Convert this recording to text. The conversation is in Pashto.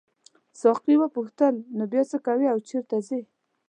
ساقي وپوښتل نو بیا څه کوې او چیرته ځې.